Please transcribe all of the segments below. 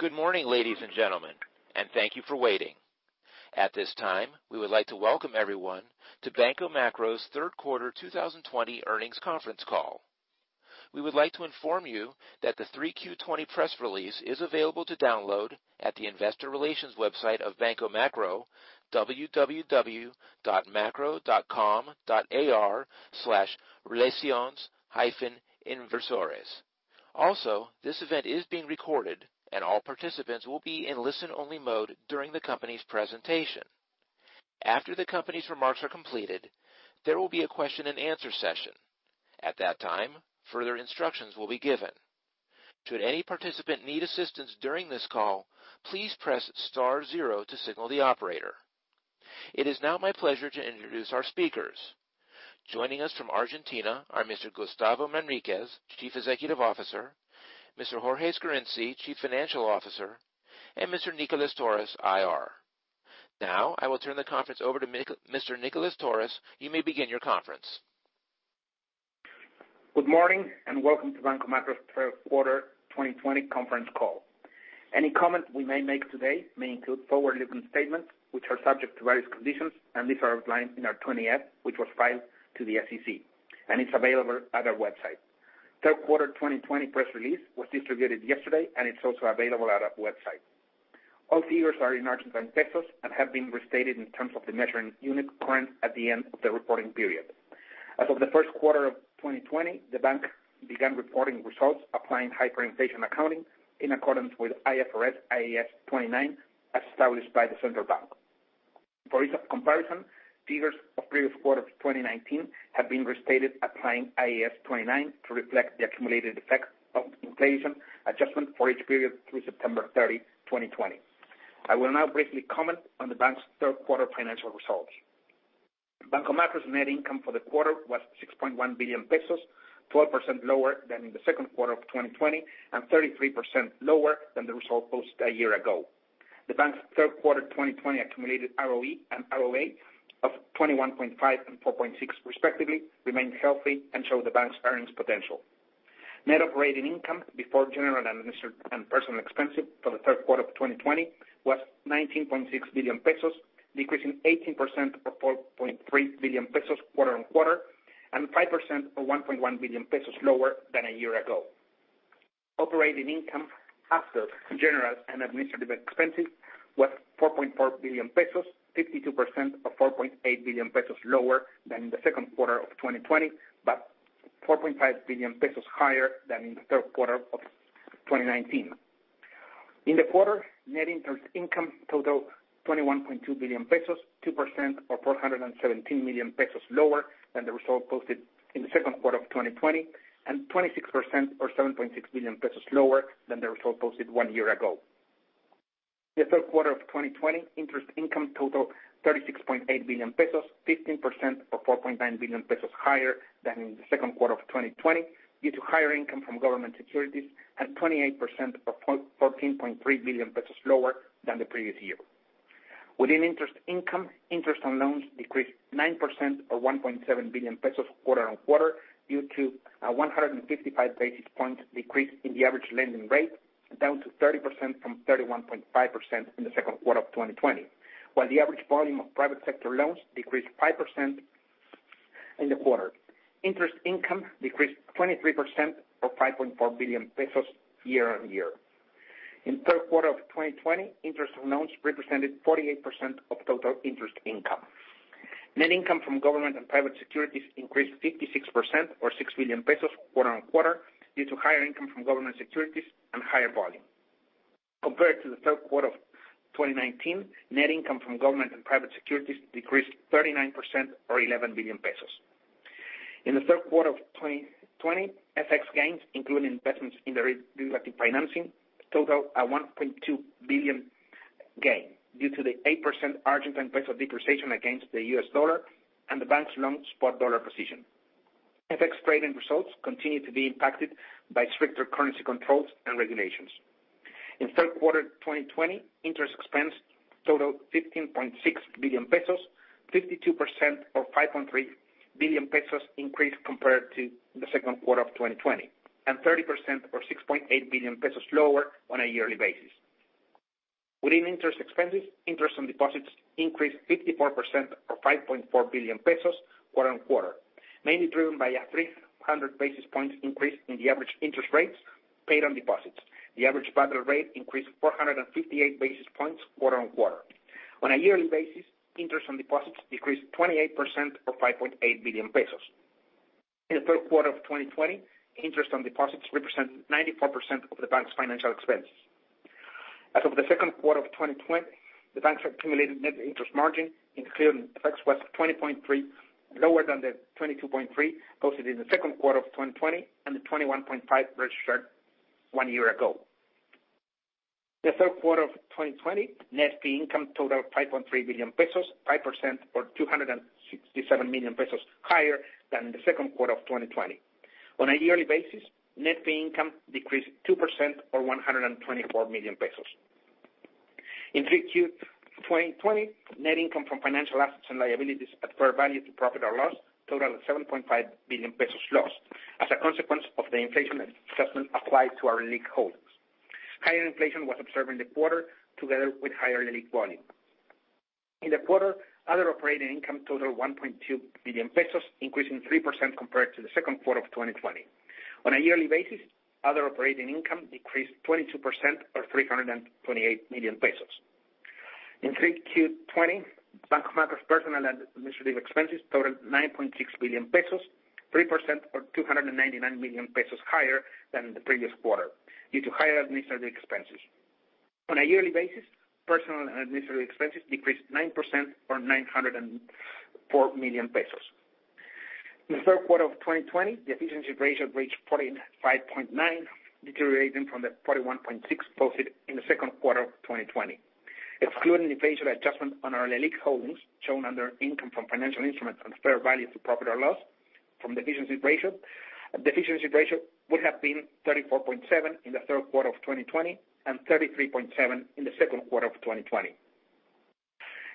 Good morning, ladies and gentlemen. Thank you for waiting. At this time, we would like to welcome everyone to Banco Macro's third quarter 2020 earnings conference call. We would like to inform you that the 3Q 2020 press release is available to download at the investor relations website of Banco Macro, www.macro.com.ar/relaciones-inversores. This event is being recorded, and all participants will be in listen-only mode during the company's presentation. After the company's remarks are completed, there will be a question and answer session. At that time, further instructions will be given. Should any participant need assistance during this call, please press star zero to signal the operator. It is now my pleasure to introduce our speakers. Joining us from Argentina are Mr. Gustavo Manriquez, Chief Executive Officer, Mr. Jorge Scarinci, Chief Financial Officer, and Mr. Nicolas Torres, IR. I will turn the conference over to Mr. Nicolas Torres. You may begin your conference. Good morning and welcome to Banco Macro's third quarter 2020 conference call. Any comment we may make today may include forward-looking statements, which are subject to various conditions, and these are outlined in our 20-F, which was filed to the SEC and it's available at our website. Third quarter 2020 press release was distributed yesterday and it's also available at our website. All figures are in Argentine pesos and have been restated in terms of the measuring unit current at the end of the reporting period. As of the first quarter of 2020, the bank began reporting results applying hyperinflation accounting in accordance with IFRS IAS 29, as established by the Central Bank. For ease of comparison, figures of previous quarters of 2019 have been restated applying IAS 29 to reflect the accumulated effect of inflation adjustment for each period through September 30, 2020. I will now briefly comment on the bank's third quarter financial results. Banco Macro's net income for the quarter was 6.1 billion pesos, 12% lower than in the second quarter of 2020, and 33% lower than the result posted a year ago. The bank's third quarter 2020 accumulated ROE and ROA of 21.5 and 4.6, respectively, remain healthy and show the bank's earnings potential. Net operating income before general and administrative and personal expenses for the third quarter of 2020 was 19.6 billion pesos, decreasing 18% or 4.3 billion pesos quarter-on-quarter, and 5% or 1.1 billion pesos lower than a year ago. Operating income after general and administrative expenses was 4.4 billion pesos, 52% or 4.8 billion pesos lower than in the second quarter of 2020, but 4.5 billion pesos higher than in the third quarter of 2019. In the quarter, net interest income totaled 21.2 billion pesos, 2% or 417 million pesos lower than the result posted in the second quarter of 2020, and 26% or 7.6 billion pesos lower than the result posted one year ago. The third quarter of 2020 interest income totaled 36.8 billion pesos, 15% or 4.9 billion pesos higher than in the second quarter of 2020 due to higher income from government securities and 28% or 14.3 billion pesos lower than the previous year. Within interest income, interest on loans decreased 9% or 1.7 billion pesos quarter-over-quarter due to a 155 basis point decrease in the average lending rate, down to 30% from 31.5% in the second quarter of 2020. While the average volume of private sector loans decreased 5% in the quarter. Interest income decreased 23% or 5.4 billion pesos year-over-year. In third quarter of 2020, interest on loans represented 48% of total interest income. Net income from government and private securities increased 56% or 6 billion pesos quarter-on-quarter due to higher income from government securities and higher volume. Compared to the third quarter of 2019, net income from government and private securities decreased 39% or 11 billion pesos. In the third quarter of 2020, FX gains, including investments in the regulatory financing, total at 1.2 billion gain due to the 8% Argentine peso depreciation against the US dollar and the bank's long spot dollar position. FX trading results continue to be impacted by stricter currency controls and regulations. In third quarter 2020, interest expense totaled 15.6 billion pesos, 52% or 5.3 billion pesos increase compared to the second quarter of 2020, and 30% or 6.8 billion pesos lower on a yearly basis. Within interest expenses, interest on deposits increased 54% or 5.4 billion pesos quarter-on-quarter, mainly driven by a 300 basis points increase in the average interest rates paid on deposits. The average borrow rate increased 458 basis points quarter-on-quarter. On a yearly basis, interest on deposits decreased 28% or 5.8 billion pesos. In the third quarter of 2020, interest on deposits represent 94% of the bank's financial expense. As of the second quarter of 2020, the bank's accumulated net interest margin, including FX, was 20.3% lower than the 22.3% posted in the second quarter of 2020 and the 21.5% registered one year ago. The third quarter of 2020, net fee income totaled 5.3 billion pesos, 5% or 267 million pesos higher than the second quarter of 2020. On a yearly basis, net fee income decreased 2% or 124 million pesos. In 3Q 2020, net income from financial assets and liabilities at fair value to profit or loss totaled at 7.5 billion pesos loss, as a consequence of the inflation assessment applied to our LELIQ holdings. Higher inflation was observed in the quarter together with higher LELIQ volume. In the quarter, other operating income totaled 1.2 billion pesos, increasing 3% compared to the second quarter of 2020. On a yearly basis, other operating income decreased 22% or 328 million pesos. In 3Q 2020, Banco Macro's personal and administrative expenses totaled 9.6 billion pesos, 3% or 299 million pesos higher than the previous quarter, due to higher administrative expenses. On a yearly basis, personal and administrative expenses decreased 9% or 904 million pesos. In the third quarter of 2020, the efficiency ratio reached 45.9, deteriorating from the 41.6 posted in the second quarter of 2020. Excluding the inflation adjustment on our LELIQ holdings, shown under income from financial instruments and fair values through profit or loss from the efficiency ratio, the efficiency ratio would have been 34.7 in the third quarter of 2020 and 33.7 in the second quarter of 2020.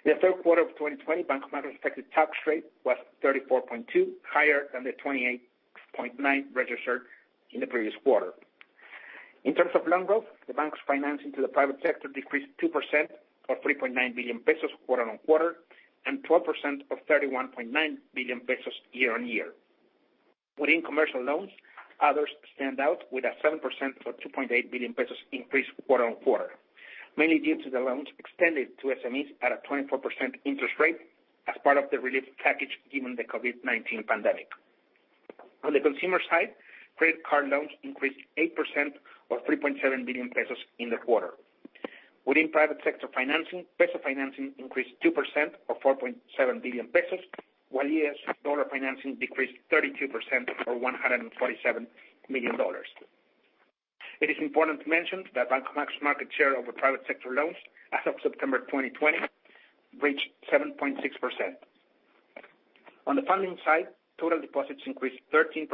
In the third quarter of 2020, Banco Macro's effective tax rate was 34.2, higher than the 28.9 registered in the previous quarter. In terms of loan growth, the bank's financing to the private sector decreased 2% or 3.9 billion pesos quarter-on-quarter, and 12% of 31.9 billion pesos year-on-year. Within commercial loans, others stand out with a 7% or 2.8 billion pesos increase quarter-on-quarter, mainly due to the loans extended to SMEs at a 24% interest rate as part of the relief package given the COVID-19 pandemic. On the consumer side, credit card loans increased 8% or 3.7 billion pesos in the quarter. Within private sector financing, peso financing increased 2% or 4.7 billion pesos, while US dollar financing decreased 32% or $147 million. It is important to mention that Banco Macro's market share over private sector loans as of September 2020 reached 7.6%. On the funding side, total deposits increased 13%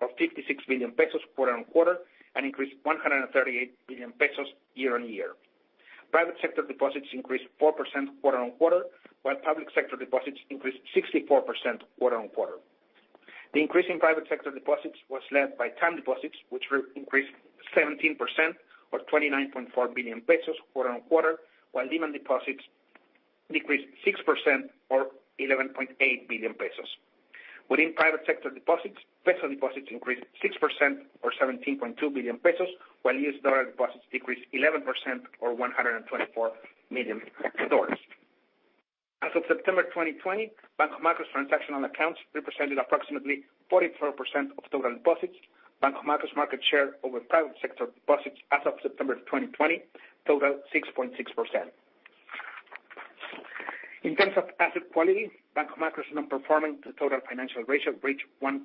or 56 billion pesos quarter-on-quarter, and increased 138 billion pesos year-on-year. Private sector deposits increased 4% quarter-on-quarter, while public sector deposits increased 64% quarter-on-quarter. The increase in private sector deposits was led by time deposits, which increased 17% or 29.4 billion pesos quarter-on-quarter, while demand deposits decreased 6% or 11.8 billion pesos. Within private sector deposits, peso deposits increased 6% or 17.2 billion pesos, while US dollar deposits decreased 11% or $124 million. As of September 2020, Banco Macro's transactional accounts represented approximately 44% of total deposits. Banco Macro's market share over private sector deposits as of September 2020 totaled 6.6%. In terms of asset quality, Banco Macro's non-performing to total financing ratio reached 1.14%,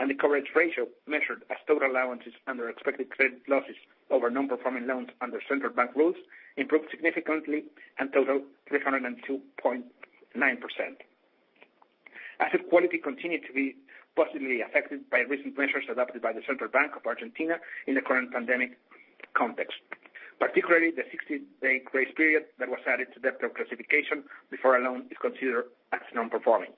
and the coverage ratio measured as total allowances under expected credit losses over non-performing loans under Central Bank rules improved significantly and totaled 302.9%. Asset quality continued to be positively affected by recent measures adopted by the Central Bank of Argentina in the current pandemic context, particularly the 60-day grace period that was added to debt reclassification before a loan is considered as non-performing.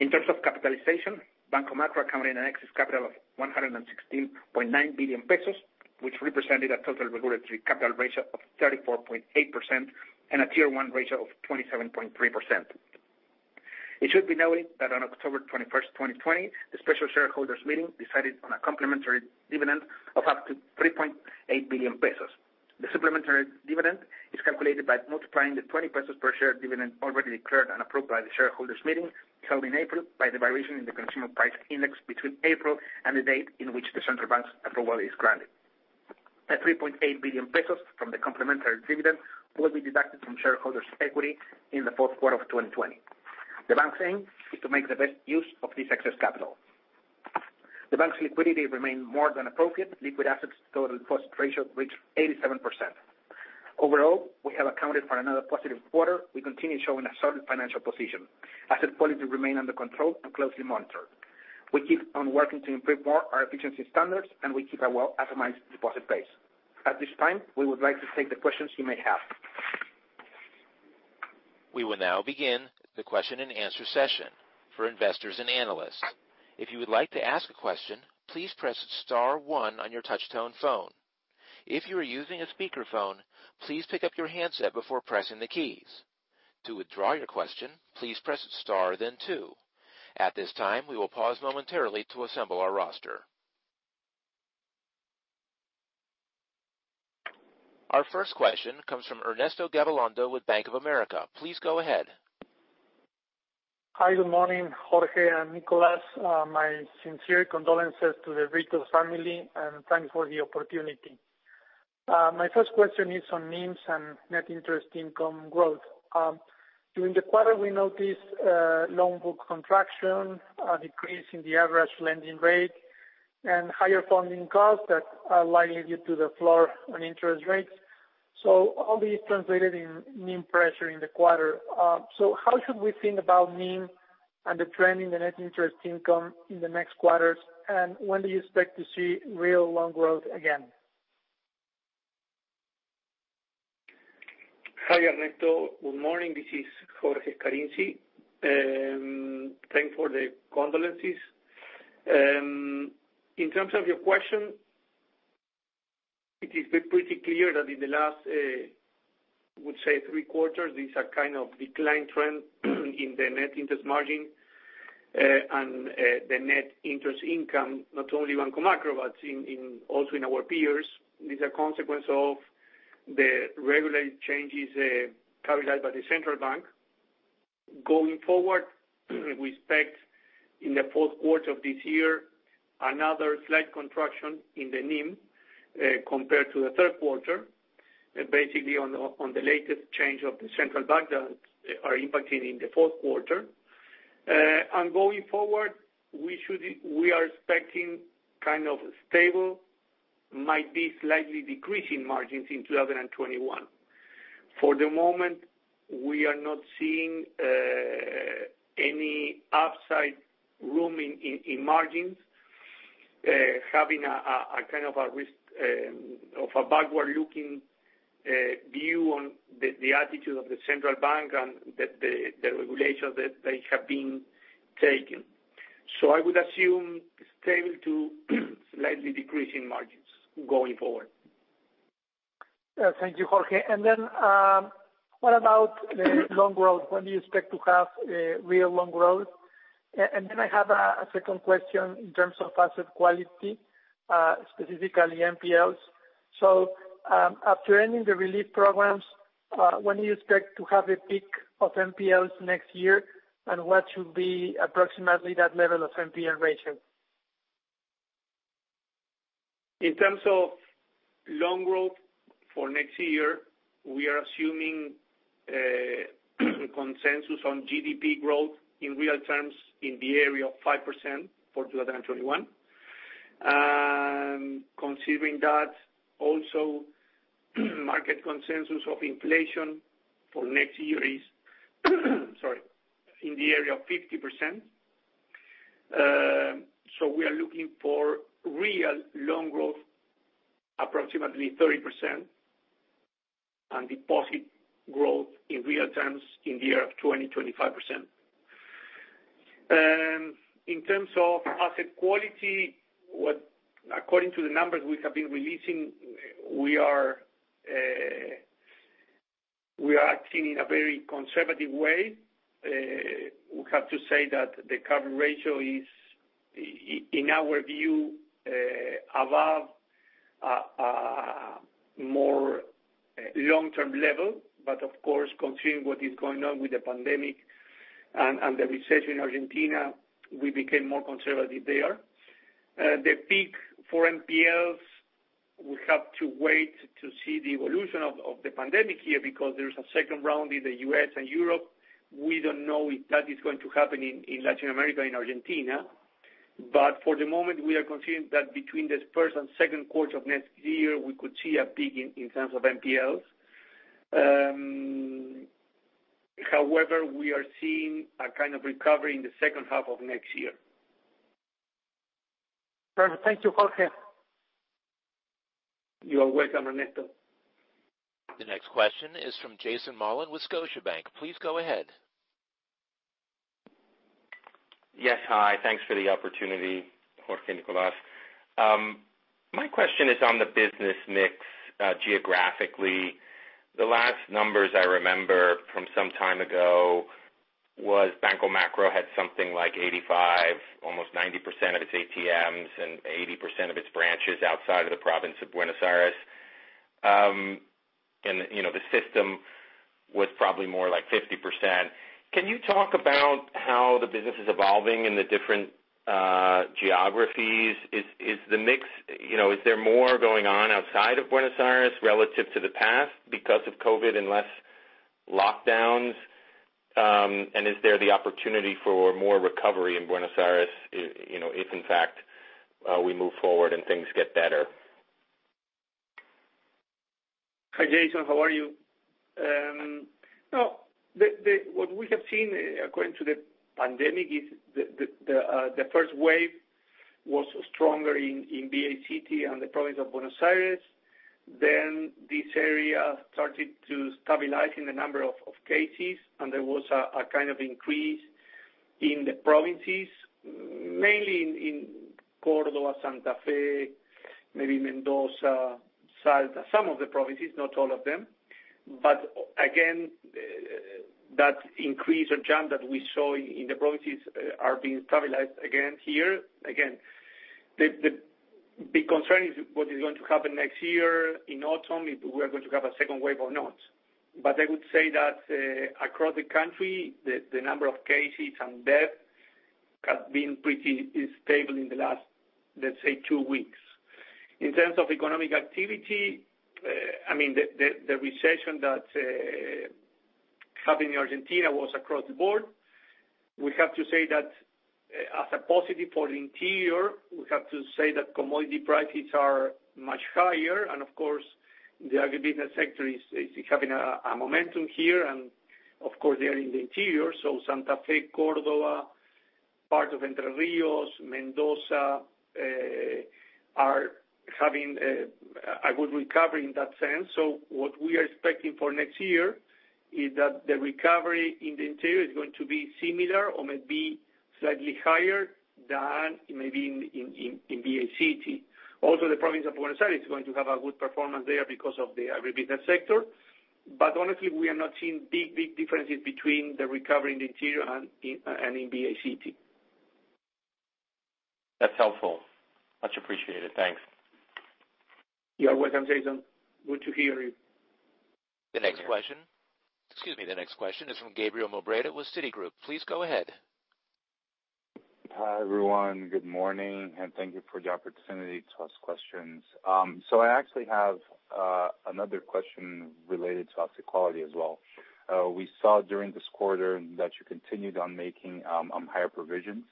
In terms of capitalization, Banco Macro accounted an excess capital of 116.9 billion pesos, which represented a total regulatory capital ratio of 34.8% and a Tier 1 ratio of 27.3%. It should be noted that on October 21st, 2020, the special shareholders meeting decided on a complementary dividend of up to 3.8 billion pesos. The supplementary dividend is calculated by multiplying the 20 pesos per share dividend already declared and approved by the shareholders meeting held in April by the variation in the consumer price index between April and the date in which the Central Bank's approval is granted. The 3.8 billion pesos from the complementary dividend will be deducted from shareholders' equity in the fourth quarter of 2020. The Bank's aim is to make the best use of this excess capital. The Bank's liquidity remained more than appropriate. Liquid assets to total deposit ratio reached 87%. Overall, we have accounted for another positive quarter. We continue showing a solid financial position. Asset quality remain under control and closely monitored. We keep on working to improve more our efficiency standards, and we keep a well-optimized deposit base. At this time, we would like to take the questions you may have. We will now begin a question and answer session for investors and analysts, if you would like to ask a question please press star one on your touch-tone phone, if you are using a speaker phone, please take up your handset before pressing any key, to withdraw your question please press star then two. At this time we will pause momentarily to assemble our roster. Our first question comes from Ernesto Gabilondo with Bank of America. Please go ahead. Hi, good morning, Jorge and Nicolas. My sincere condolences to the Brito family, and thanks for the opportunity. My first question is on NIMs and net interest income growth. During the quarter, we noticed loan book contraction, a decrease in the average lending rate, and higher funding costs that are likely due to the floor on interest rates. All this translated in NIM pressure in the quarter. How should we think about NIM and the trend in the net interest income in the next quarters, and when do you expect to see real loan growth again? Hi Ernesto, good morning. This is Jorge Scarinci. Thanks for the condolences. In terms of your question, it has been pretty clear that in the last, I would say three quarters, there's a kind of decline trend in the net interest margin, and the net interest income, not only Banco Macro, but also in our peers, is a consequence of the regulatory changes carried out by the Central Bank. Going forward, we expect in the fourth quarter of this year, another slight contraction in the NIM, compared to the third quarter. Basically, on the latest change of the Central Bank that are impacting in the fourth quarter. Going forward, we are expecting stable, might be slightly decreasing margins in 2021. For the moment, we are not seeing any upside room in margins, having a backward-looking view on the attitude of the Central Bank and the regulations that they have been taking. I would assume stable to slightly decreasing margins going forward. Yeah. Thank you, Jorge. What about the loan growth? When do you expect to have real loan growth? I have a second question in terms of asset quality, specifically NPLs. After ending the relief programs, when do you expect to have a peak of NPLs next year? What should be approximately that level of NPL ratio? In terms of loan growth for next year, we are assuming consensus on GDP growth in real terms in the area of 5% for 2021. Considering that, also, market consensus of inflation for next year is in the area of 50%. We are looking for real loan growth, approximately 30%, and deposit growth in real terms in the area of 20%, 25%. In terms of asset quality, according to the numbers we have been releasing, we are acting in a very conservative way. We have to say that the cover ratio is, in our view, above more long-term level. Of course, considering what is going on with the pandemic and the recession in Argentina, we became more conservative there. The peak for NPLs, we have to wait to see the evolution of the pandemic here because there is a second round in the U.S. and Europe. We don't know if that is going to happen in Latin America, in Argentina. For the moment, we are considering that between the first and second quarter of next year, we could see a peak in terms of NPLs. We are seeing a kind of recovery in the second half of next year. Perfect. Thank you, Jorge. You are welcome, Ernesto. The next question is from Jason Mollin with Scotiabank. Please go ahead. Yes, hi. Thanks for the opportunity, Jorge, Nicolas. My question is on the business mix geographically. The last numbers I remember from some time ago was Banco Macro had something like 85, almost 90% of its ATMs, and 80% of its branches outside of the province of Buenos Aires. The system was probably more like 50%. Can you talk about how the business is evolving in the different geographies? Is there more going on outside of Buenos Aires relative to the past because of COVID-19 and less lockdowns? Is there the opportunity for more recovery in Buenos Aires, if in fact, we move forward and things get better? Hi, Jason, how are you? What we have seen according to the pandemic is the first wave was stronger in BA City and the province of Buenos Aires. This area started to stabilize in the number of cases, and there was an increase in the provinces, mainly in Córdoba, Santa Fe, maybe Mendoza, Salta. Some of the provinces, not all of them. Again, that increase or jump that we saw in the provinces are being stabilized again here. Again, the big concern is what is going to happen next year in autumn, if we are going to have a second wave or not. I would say that, across the country, the number of cases and death has been pretty stable in the last, let's say, two weeks. In terms of economic activity, the recession that happened in Argentina was across the board. We have to say that as a positive for the interior, we have to say that commodity prices are much higher. The agribusiness sector is having a momentum here, and of course, they are in the interior. Santa Fe, Córdoba, part of Entre Ríos, Mendoza, are having a good recovery in that sense. What we are expecting for next year is that the recovery in the interior is going to be similar or may be slightly higher than maybe in BA City. Also, the province of Buenos Aires is going to have a good performance there because of the agribusiness sector. Honestly, we are not seeing big differences between the recovery in the interior and in BA City. That's helpful. Much appreciated. Thanks. You are welcome, Jason. Good to hear you. The next question is from Gabriel Nobrega with Citigroup. Please go ahead. Hi, everyone. Good morning, and thank you for the opportunity to ask questions. I actually have another question related to asset quality as well. We saw during this quarter that you continued on making higher provisions.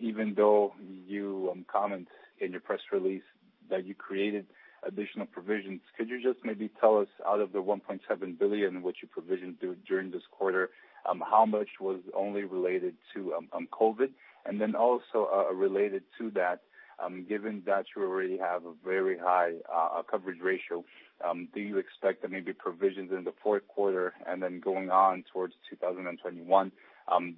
Even though you comment in your press release that you created additional provisions, could you just maybe tell us out of the 1.7 billion, which you provisioned during this quarter, how much was only related to COVID? Also, related to that, given that you already have a very high coverage ratio, do you expect that maybe provisions in the fourth quarter and going on towards 2021,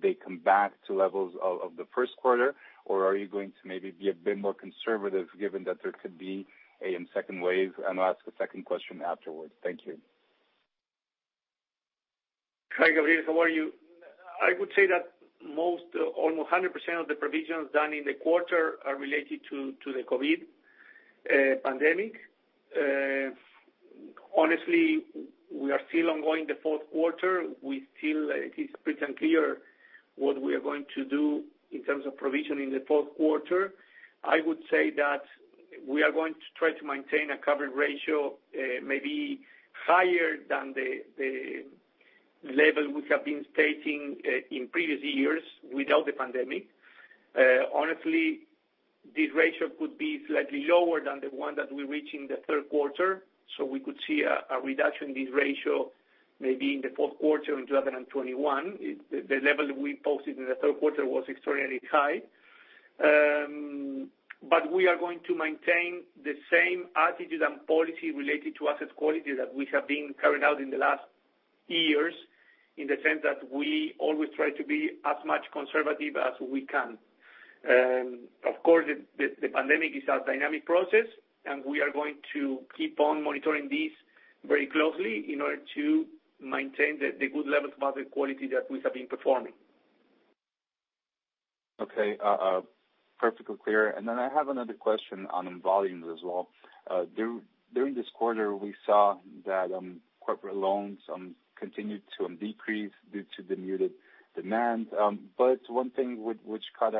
they come back to levels of the first quarter, or are you going to maybe be a bit more conservative given that there could be a second wave? I'll ask a second question afterwards. Thank you. Hi, Gabriel, how are you? I would say that almost 100% of the provisions done in the quarter are related to the COVID pandemic. Honestly, we are still ongoing the fourth quarter. It is pretty unclear what we are going to do in terms of provision in the fourth quarter. I would say that we are going to try to maintain a coverage ratio maybe higher than the level we have been stating in previous years without the pandemic. Honestly, this ratio could be slightly lower than the one that we reach in the third quarter. We could see a reduction in this ratio, maybe in the fourth quarter in 2021. The level we posted in the third quarter was extraordinarily high. We are going to maintain the same attitude and policy related to asset quality that we have been carrying out in the last years, in the sense that we always try to be as much conservative as we can. Of course, the pandemic is a dynamic process. We are going to keep on monitoring this very closely in order to maintain the good levels of asset quality that we have been performing. Okay. Perfectly clear. I have another question on volumes as well. During this quarter, we saw that corporate loans continued to decrease due to the muted demand. One thing which caught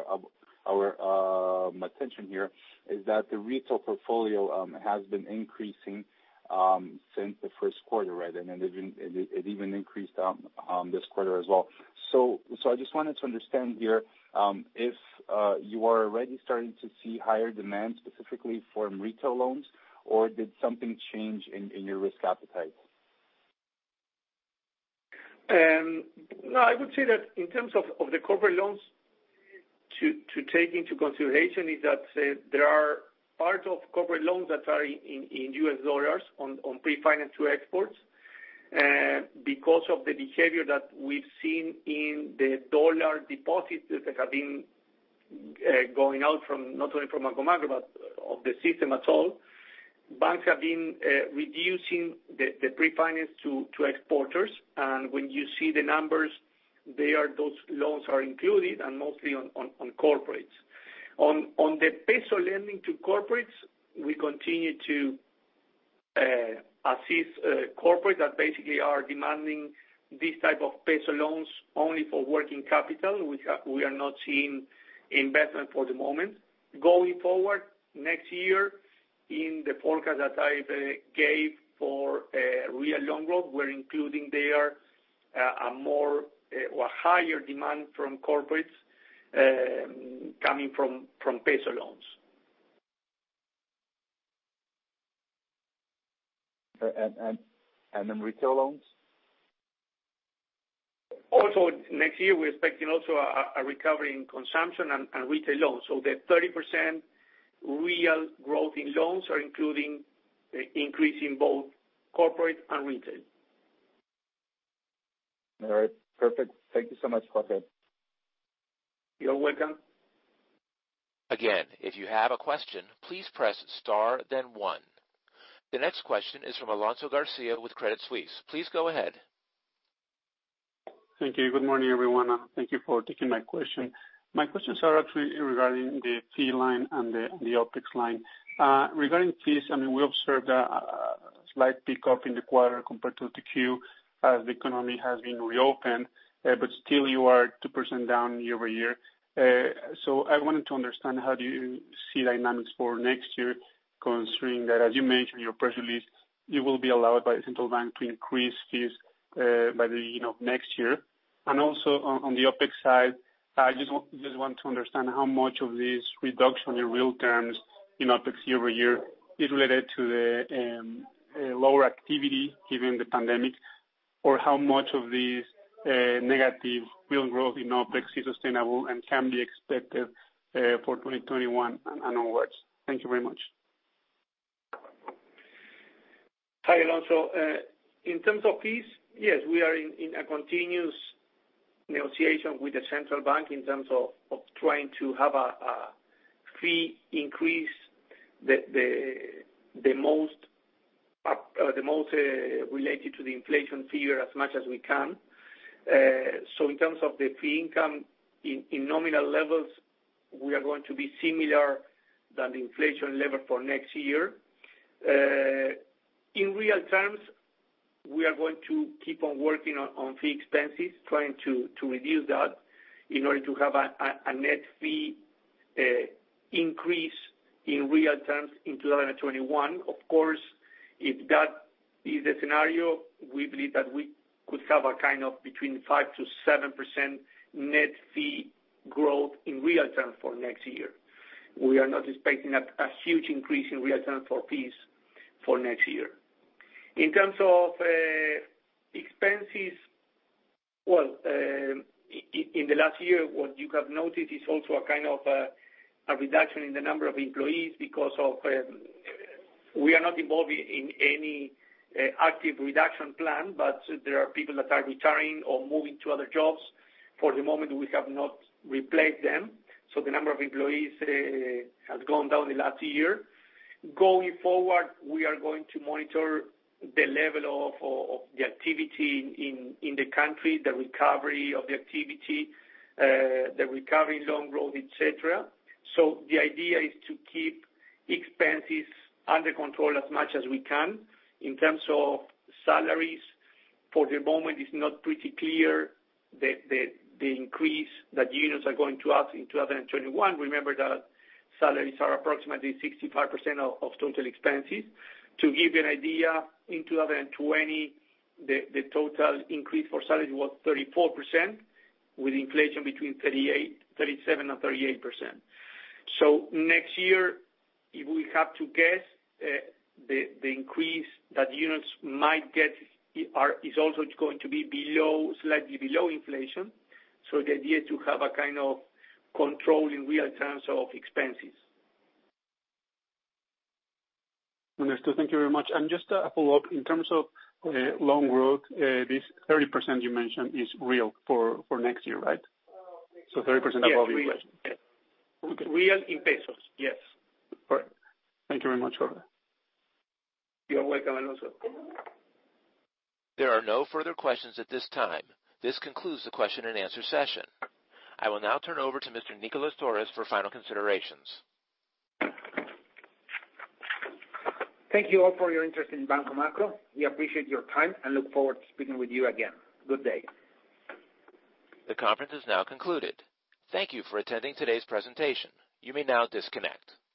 our attention here is that the retail portfolio has been increasing since the first quarter, right? It even increased this quarter as well. I just wanted to understand here, if you are already starting to see higher demand specifically for retail loans, or did something change in your risk appetite? No, I would say that in terms of the corporate loans, to take into consideration is that there are parts of corporate loans that are in US dollars on pre-finance to exports. Because of the behavior that we've seen in the dollar deposits that have been going out from, not only from Banco Macro, but of the system at all, banks have been reducing the pre-finance to exporters. When you see the numbers, those loans are included and mostly on corporates. On the peso lending to corporates, we continue to assist corporates that basically are demanding this type of peso loans only for working capital. We are not seeing investment for the moment. Going forward, next year, in the forecast that I gave for real loan growth, we're including there a more or higher demand from corporates coming from peso loans. Retail loans? Also next year, we're expecting also a recovery in consumption and retail loans. The 30% real growth in loans are including increase in both corporate and retail. All right. Perfect. Thank you so much, Jorge. You're welcome. Again, if you have a question, please press star, then one. The next question is from Alonso García with Credit Suisse. Please go ahead. Thank you. Good morning, everyone. Thank you for taking my question. My questions are actually regarding the fee line and the OpEx line. Regarding fees, we observed a slight pickup in the quarter compared to 2Q as the economy has been reopened. Still you are 2% down year-over-year. I wanted to understand how do you see dynamics for next year, considering that, as you mentioned in your press release, you will be allowed by the Central Bank to increase fees by the beginning of next year. Also on the OpEx side, I just want to understand how much of this reduction in real terms in OpEx year-over-year is related to the lower activity given the pandemic, or how much of this negative real growth in OpEx is sustainable and can be expected for 2021 and onwards. Thank you very much. Hi, Alonso. In terms of fees, yes, we are in a continuous negotiation with the Central Bank in terms of trying to have a fee increase, the most related to the inflation figure as much as we can. In terms of the fee income in nominal levels, we are going to be similar than the inflation level for next year. In real terms, we are going to keep on working on fee expenses, trying to reduce that in order to have a net fee increase in real terms in 2021. Of course, if that is the scenario, we believe that we could have between 5%-7% net fee growth in real terms for next year. We are not expecting a huge increase in real terms for fees for next year. In terms of expenses, well, in the last year, what you have noticed is also a kind of a reduction in the number of employees because we are not involved in any active reduction plan, but there are people that are retiring or moving to other jobs. For the moment, we have not replaced them. The number of employees has gone down in the last year. Going forward, we are going to monitor the level of the activity in the country, the recovery of the activity, the recovery loan growth, et cetera. The idea is to keep expenses under control as much as we can. In terms of salaries, for the moment, it's not pretty clear the increase that unions are going to ask in 2021. Remember that salaries are approximately 65% of total expenses. To give you an idea, in 2020, the total increase for salary was 34%, with inflation between 37% and 38%. Next year, if we have to guess, the increase that unions might get is also going to be slightly below inflation. The idea to have a kind of control in real terms of expenses. Understood. Thank you very much. Just a follow-up, in terms of loan growth, this 30% you mentioned is real for next year, right? 30% above inflation. Yes. Real in pesos. Yes. All right. Thank you very much, Jorge. You're welcome, Alonso. There are no further questions at this time. This concludes the question and answer session. I will now turn over to Mr. Nicolas Torres for final considerations. Thank you all for your interest in Banco Macro. We appreciate your time and look forward to speaking with you again. Good day. The conference is now concluded. Thank you for attending today's presentation. You may now disconnect.